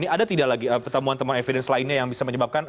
ada tidak lagi pertemuan temuan evidence lainnya yang bisa menyebabkan